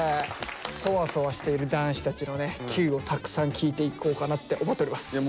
そわそわしている男子たちのね「Ｑ」をたくさん聞いていこうかなって思っております。